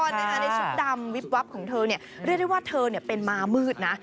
ในชุดดำวิบวับของเธอเรียกได้ว่าเธอเป็นม้ามืดนะ